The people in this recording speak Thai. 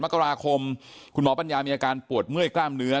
มกราคมคุณหมอปัญญามีอาการปวดเมื่อยกล้ามเนื้อ